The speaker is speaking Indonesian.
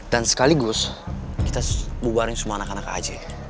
dan sekaligus kita bombarin semua anak anak aja